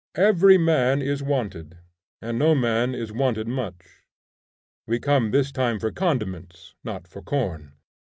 Every man is wanted, and no man is wanted much. We came this time for condiments, not for corn.